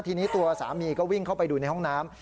ทีนี้ตัวสามีก็วิ่งเข้าไปดูในห้องน้ำ